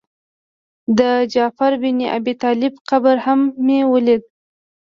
د جعفر بن ابي طالب قبر هم مې ولید.